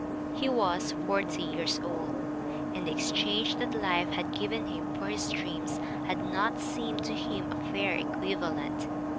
He was forty years old, and the exchange that life had given him for his dreams had not seemed to him a fair equivalent.